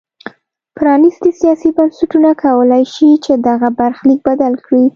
پرانیستي سیاسي بنسټونه کولای شي چې دغه برخلیک بدل کړي.